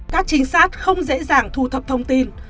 các trinh sát không dễ dàng thu thập thông tin